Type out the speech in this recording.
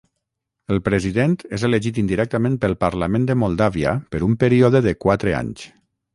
El president és elegit indirectament pel Parlament de Moldàvia per un període de quatre anys.